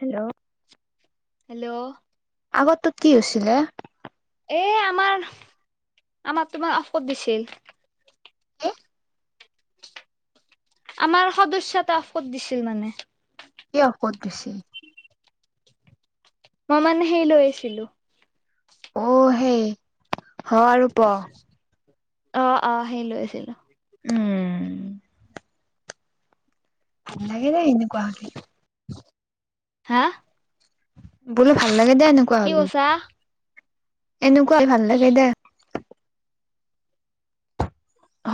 Hello hello আগতোত কি হৈছিলে এ আমাৰ আমাক তোমাৰ ঔষধ দিছিল এ আমাৰ সদস্য ত ঔষধ দিছিল মানে কি ঔষধ দিছিল মই মানে সেই লৈ আহিছিলো অ হেই হ আৰু প অ অ সেই লৈ আছিলো উম ভাল লাগে দে, এনেকুৱা হ'লে হা বোলো, ভাল লাগে দে, এনেকুৱা কি হ'লে কৈছা এনেকুৱা ভাল লাগে দে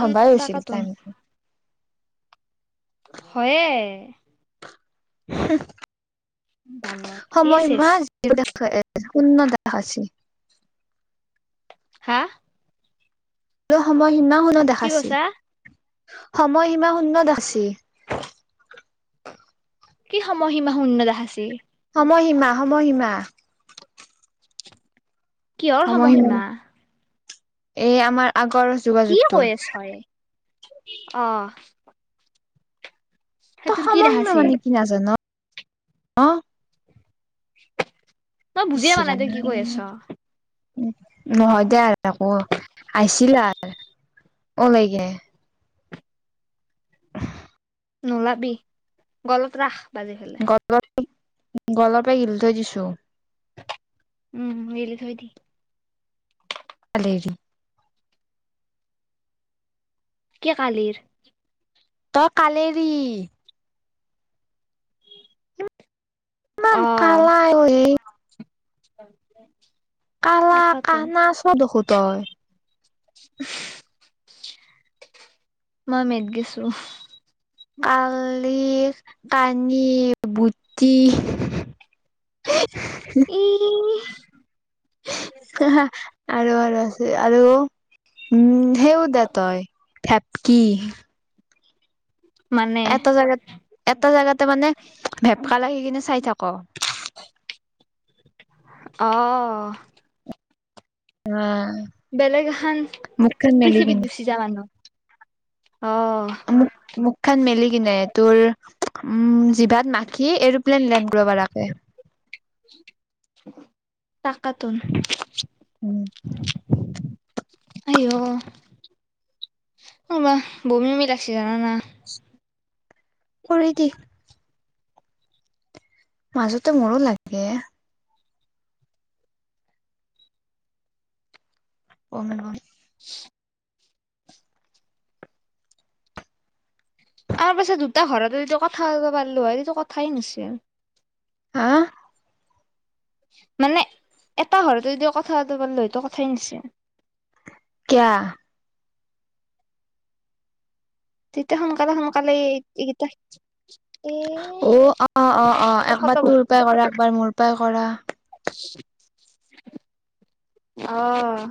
উম হৈছে তাকাতোন টাইম হয়েই [inaudible] বালত এ সময় চেচ [unintelligible] [unintelligible] শূন্য দেখাইছে হা ত', সময় সিদিনাখনো কি দেখাইছে কৈছা সময় সীমা শূন্য দেখাইছে কি সময় সীমা শূন্য দেখাইছে? ময় সীমা, সময় সীমা কিহৰ সময় সময়সীমা সীমা? এই, আমাৰ আগৰ কৈ যোগাযোগটোৰ আছ তই অ'। তই সেইটোৰ কি সময় সীমা দেখাইছি মানে কি নাজান? অ'। তই ইচ বুজিয়ে ৰাম [unintelligible] কি কৈ আছ? নহয় দে, আকৌ আহিছিল আৰ অলৈকে [inaudible] নোলাবি, গলত ৰাখ। বাজি খেলে গলত গলৰ পৰাই গিলি থৈ দিছোঁ উম, গিলি থৈ দি [inaudible] কে, কালিৰ তই কালেৰি অ ইমান কালা অই [unintelligible] কালা, তাকাতোন কানা চ, দেখো তই [unintelligible] কালি কাটি বুটি ইহহ [inaudible] আৰু আৰু আৰু উম সেও দে তই থেপকি। মানে এটা জেগাত এটা জোগাতে মানে ভেপকা লাগি কিনে চাই থাক। ক অ উম। বেলেগ এখন পৃথিৱীত কিনে গুচি যা মানুহ। অ [inaudible] মুখ খেন মেলি কিনে তোৰ উম জিভাত মাখি এৰপ্লেইন লেন কৰাব পৰাক লাগে। তাকাটো উম। আইহ কিবা বমি বমি লাগছে জা উম। কৰি দে মাজতে মোৰো লাগে। [unintelligible] আমাৰ পাছেত দুটা ঘৰত যদি কথা পাত বা পাৰলো হয়টো কথাই নাছিল। হাঁ মানে এটা ঘৰতে যদি কথা পাতবা পাৰলো হয়তো কথাই নাছিল। কিয়া? তেততিয়া সোনকালে সোনকালে এ অ অ অ অ এইকেইটা একবাৰ খতম তোৰ পে কৰে একবাৰ মোৰ পে উপায় কৰা। অহ।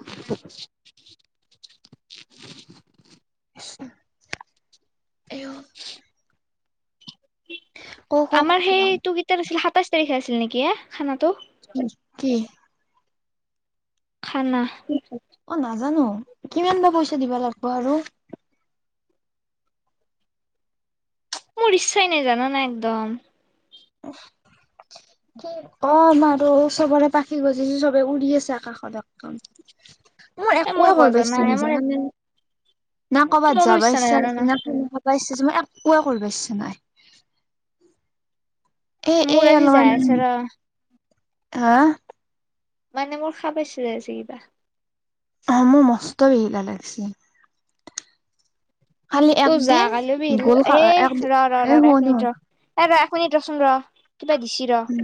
আইহ। ক ক ক আমাৰ কিবা সেইটো গীটাৰ আছিল সাতাইছ তাৰিখে আছিল নেকি এ খানাটো। কি খানা অ নাজানো কিমান বা পইচা দিবা লাগিব আৰু। মোৰ ইচ্ছাই নাই জানা না একদম। অ পাৰো আৰু চবৰে পাখি গজিছো চবে উৰি আছে আকাশত একদম। মোৰ এ মোৰ একোৱে কৰবা গজনা ইচ্ছা মোৰ নাযায়, জানা নে? না কৰ'বাত মোৰো যাব নাই ইচ্ছা জানানা না খাবা ইচ্ছা মই একোৱেই কৰিবচ্ছা নাই। এ এ মোৰ আজি যাই অলমান আছে ৰ হা। মানে মোৰ খ পাইছিলে আ যে কিবা। অ মোৰ মস্ত বি হিলা লাগিছে। খালি ত' যা একদিন কালিও বিল ভোল খা এ একদিন ৰ ৰ এ ৰ শোৱা এক নো মিনিট ৰ এ এক মিনিট ৰচোন ৰ। কিবা দিছি ৰ শুন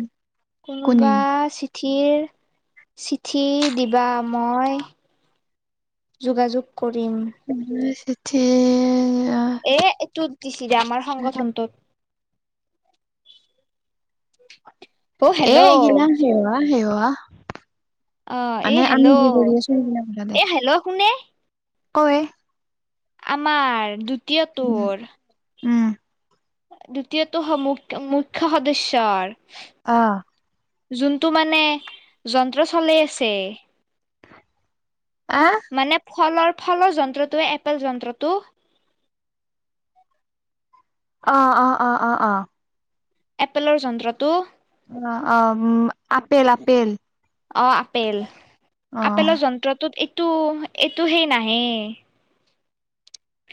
কোনি? কোনোবা চিঠিৰ চিঠি দিবা মই যোগাযোগ কৰিম উম। [unintelligible] এ তোৰ দিছে আমাৰ সংগঠনটোত। [unintelligible] অ এ হেল্ল' অ দিনা হো হো অ এ যি হেল্ল' কৰি আছো এ হেল্ল' শোনে। কয়। আমাৰ দু [unintelligible] উম। দ্বিতীয়টো মুখ্য সদস্যৰ আহ। যোনটো মানে যন্ত্ৰ চলাই আছে। আহ মানে ফলৰ ফলৰ যন্ত্ৰটোৱে এপেল যন্ত্ৰটো আহ অ অ অ অ এপেলৰ যন্ত্ৰটো। অ অ উম আপেল আপেল। অ আপেল অ', আপেলৰ যন্ত্ৰটোত তো এইটো হেই নাহে।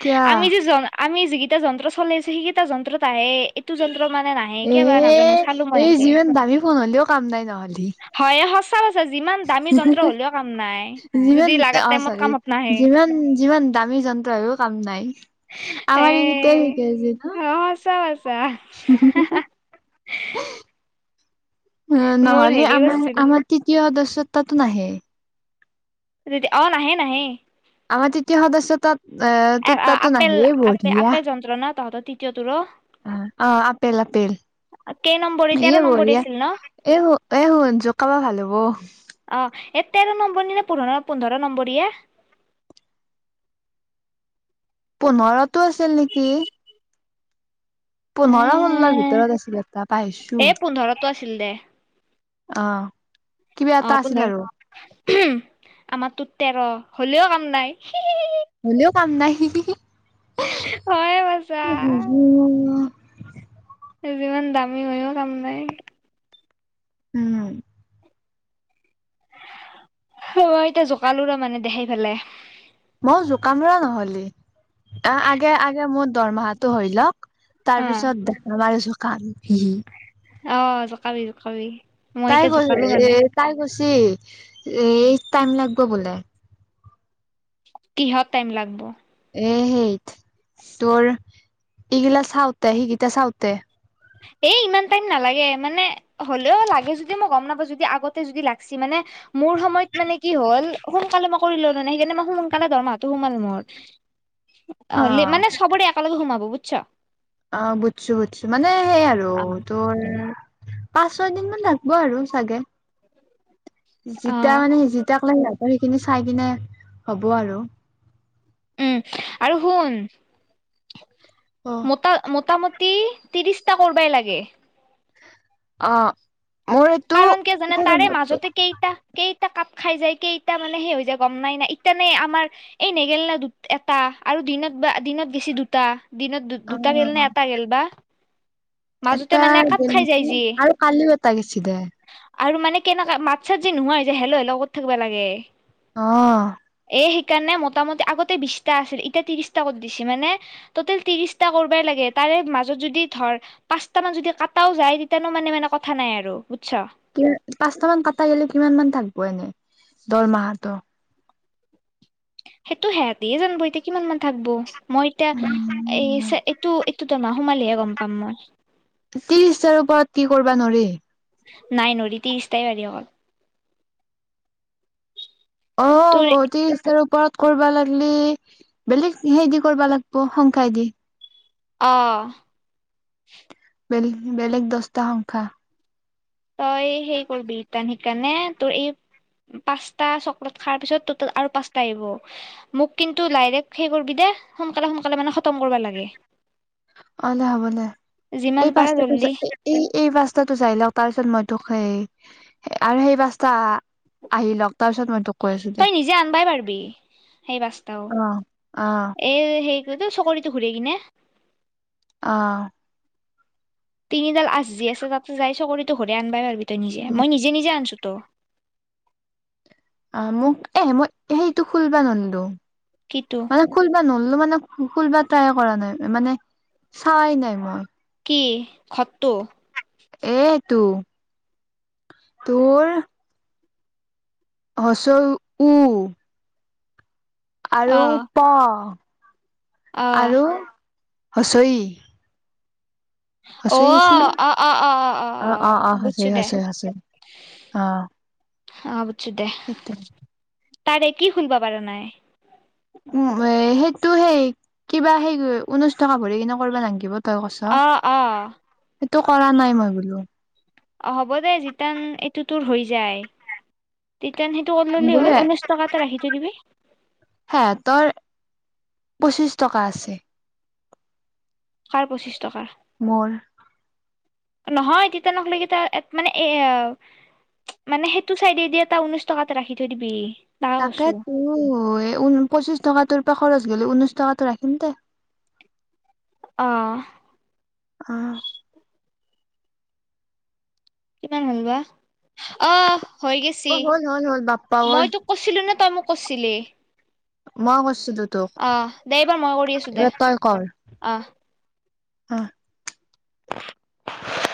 কিয়া আমি যে জন আমি যিকেইটা যন্ত্ৰ চলাই আছো সেইকেইটা যন্ত্ৰত আহে এইটো যন্ত এ এই ইয়াতে যিমান দামী ফোন হলেও কাম নাই নহ'লি। হয় সঁচা কৈছা যিমান দামী যন্ত্ৰ হলেও কাম নাই যিমান যদি লাগা অ টাইমত চৰি কামত নাহে যিমান যিমান দামী যন্ত্ৰ আৰু কাম নাই। এ আমাৰ ই গতে শিক অ সঁচা কৈছা আছে ন। উ মোৰ নহ'লে হেৰি আমাৰ কৰিছিলো আমাৰ তৃতীয় দ তোৰ তাতো নাহে। অ' নাহে, নাহে। আমাৰ তৃতীয় সদস্য তাত এ তোৰ তাতো আপেল নাহে আপ বঢ়িয়া আপেল যন্ত্ৰ ন তহঁতৰটো [unintelligible] অ' আপেল -আপেল কেই নম্বৰী তেৰ এ নম্বৰী বঢ়িয়া আছিল ন এ এ! শুনছো খাবা ভাল হ'ব। অ এ তেৰ নম্বৰী নে পোন্ধৰ পোন্ধৰ নম্বৰীয়ে। পোন্ধৰতো আছিল নেকি। পোন্ধৰ ষোল্লৰ ভিতৰত আছিল এটা পাইহাছো। এ এ পোন্ধৰটো আছিল দে অ'। কিবা অ' এটা আছিল আৰু পোন্ধৰ আমাৰতো তেৰ হ'লেও কাম নাই। হ'লেও কাম নাই। হয় বাছা [unintelligible] যিমান দামী হৈও কাম নাই। উ'ম। অ' এতিয়া জোকালো ৰ মানে দেখাই পেলাই। অ' জোকাম ৰ নহলি অ আগে আগে মোৰ দৰমহাটো হৈ লক। অ তাৰপিছত [inaudible] আমাৰ [unintelligible] অ' জোকাবি, জোকাবি। মই তাই এতিয়া কৈ জোকালো এ মানে তাই কৈছি এ! টাইম লাগিব বোলে। কিহত টাইম লাগব। এ! সেইট তোৰ এইগিলা চাওঁতে সেইগিটা চাওঁতে এ! ইমান টাইম নালাগে মানে হ'লেও লাগে যদি মই গম নাপাওঁ যদি আগতে যদি লাগছি মানে মোৰ সময়ত মানে কি হ'ল সোনকালে মই কৰিলো ন নাই সেইকাৰণে মই সোনকালে দৰমাহাটো সোমাল মোৰ অ হলি মানে চবৰে একেলগে সোমাব আচ্ছা। অ' বুজছো বুজ মানে সেই আৰু অ তোৰ পাঁচ ছয় দিন মান লাগব আৰু চাগে। জিতা মানে জিতাক। সিহঁতৰ সেইখিনি চাই কিনে হ'ব আৰু উ'ম আৰু শুন। অ মোটা -মুটি। ত্ৰি -ত্ৰিশটা কৰবাই লাগে। অ'। মোৰ এইটো কাৰণ কিয় জানে, কেতিয়া গম তাৰে পাবি মাজতে কেইটা কেই কেইটা কাপ খাই যাই কেইটা মানে, সেই হৈ যায় গম নাই। সেইকাৰণে আমাৰ এই নেগেল না এটা আৰু দিনত বা দিনত গেছি দুটা। দিনত দু, দুটা গেল অ নে, এটা গেল বা, মাজতে এটা মানে কাপ গেল খাই যায় নেকি যি আৰু কালিও এটা গেছি দে। আৰু মানে, কেনেকা মাত চাত যে নোহোৱা হৈ যায়। হেল্ল' হেল্ল' কৰি থাকিবা লাগে। অঁ! এ, সেইকাৰণে, মোটামটি আগতে বিশটা আছিল। এতিয়া ত্ৰিশটা কৰি দিছে, মানে টোটেল ত্ৰিশটা কৰবাই লাগে। তাৰে মাজত যদি ধৰ পাঁচটা মান যদি কাটাও যায়, তেতিয়ানো মানে মানে কথা নাই আৰু। আচ্ছা! কি পাঁচটা মান কাটা গ'লে কিমান মান থাকিব এনেই দৰমাহাটো? সেইটো সিহঁতি হে জানিব এতিয়া কিমান মান থাকিব। মই এতিয়া এই, উম, এইটো এইটো এইতো মা'হ সোমালেহে গ'ম পাম মই। ত্ৰিশহাজাৰ ওপৰত কি কৰিব নোৱাৰি। নাই নোৱাৰি, ত্ৰিশতাই পাৰি অকল। অ'! তোৰ ত্ৰিশতাৰো ওপৰত কৰিবা লাগিলে, বেলেগ হে দি কৰিবা লাগিব। সংখ্যাই দি অ'! বলেগ, বেলেগ দহটা সংখ্যা। তই সেই কৰবি তা নে কাৰণে তোৰ এই পাঁচটা চকলেট খোৱাৰ পিছত তোৰ তাত আৰু পাঁচটা আহিব, মোক কিন্তু লাইৰেক্ট সেই কৰিবি দে, সোনকালে সোনকালে মানে খতম কৰিবা লাগে। অ'লে হ'ব দে। যিমান এই পাৰা পাঁচটাটো জল্দি চাই, এই পাঁচটাটো চাই লওঁ। তাৰ পিছত মই তোক সেই আৰু সেই পাঁচটা আহি লওঁক। তই নিজে আনিবাই পাৰিবি সেই পাঁচটাও। অ অ এই সেই এইটো চকৰিতো ঘূৰে কিনে অ'! তিনিডাল আঁচ দিয়া আছে। তাতে যাই চকৰিতো ঘুৰাই আনিব পাৰিবি। তই নিজে, মই নিজে নিজে আনিছোঁ। ত' অ'! মোক এ, মই সেইটো খুলিব নোৱাৰিলোঁ। কিটো মানে, খুলিব নোৱাৰিলোঁ মানে খুলিব ট্ৰাই কৰা নাই, মানে চোৱাই নাই মই। কি? খ্তটো? এ টো তোৰ উ, ও। আৰু অ প। অ আৰু ই। অহ অ অ অ-অ-অ-অ-অ-অ অ বুজছো হচৰি দে। হচৰি হচৰি অ হ [unintelligible] চো দে। সেইটো তাৰে এক কি খুলবা পাৰা নাই। উম এ সেইটো সেই কিবা সেই ঊনৈশ টকা ভৰি কিনে কৰিবা নালগিবো। অ-অ, সেইটো কৰা নাই মই বোলো। অ হ'ব দে যিতান এইটো তোৰ হৈ যায়। তেন সেইটো কল ললি হ'ল ঊনৈছ টকাত এটা ৰাখি থৈ দিবি। সেহেঁতৰ পঁচিশ টকা আছে। কাৰ পঁচিছ টকা? মোৰ নহয় তিত নখলেকেই মানে এ মানে সেইটো চাইডে দি এটা ঊনৈশ টকাতে ৰাখি থৈ দিবি। তাকে তো ঊ পঁচিছ টকা তোৰ। খৰচ গ'লে ঊনৈশ টকাতটো ৰাখিম দে। অ অহ। কিমান হল বা। অ' হৈ গৈছি অ হ'ল হ'ল হ'ল বাপ্পা ঐ মইতো কৈছিলো নে তই মোক কচছিলি। মই কচছিলো তোক দে মই কৰি আছো দে এইবাৰ তই কৰ। অ অহ,